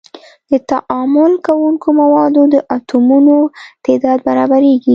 د تعامل کوونکو موادو د اتومونو تعداد برابریږي.